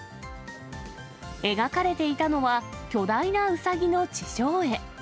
描かれていたのは、巨大なうさぎの地上絵。